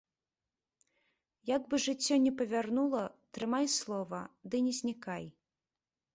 Як бы жыццё не павярнула, трымай слова ды не знікай!